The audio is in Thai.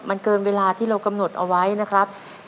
มันเกินเวลาที่เรากำหนดเอาไว้นะครับ